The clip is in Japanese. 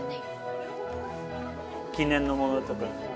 記念のものとか。